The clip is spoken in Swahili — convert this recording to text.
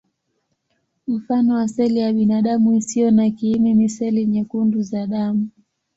Mfano wa seli ya binadamu isiyo na kiini ni seli nyekundu za damu.